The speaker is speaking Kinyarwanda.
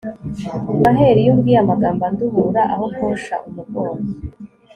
maheru iyo umbwiye amagambo anduhura aho kunsha umugongo